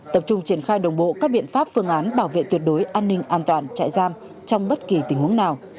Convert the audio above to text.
tập trung triển khai đồng bộ các biện pháp phương án bảo vệ tuyệt đối an ninh an toàn chạy giam trong bất kỳ tình huống nào